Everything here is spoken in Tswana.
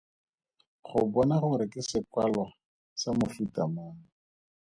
Go bona gore ke sekwalwa sa mofuta mang.